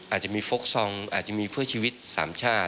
อาจจะมีฟกซองอาจจะมีเพื่อชีวิตสามชาติ